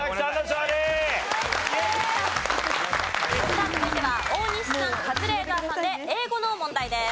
さあ続いては大西さんカズレーザーさんで英語の問題です。